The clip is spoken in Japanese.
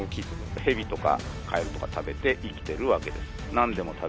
ヘビとかカエルとか食べて生きてるわけです。